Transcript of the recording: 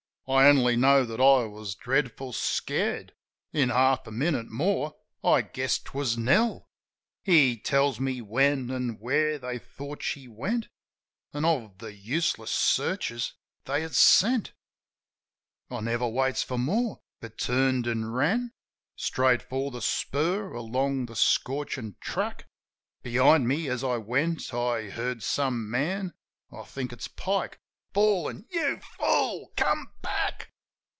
I only know that I was dreadful scared. ... In half a minute more, I guessed 'twas Nell. He tells me when an' where they thought she went. An' of the tiseless searchers they had sent. I never waits for more; but turned an' ran Straight for the spur, along the scorchin' track. Behind me, as I went, I hear some man — I think it's Pike — bawlin', "You fool! Come back!"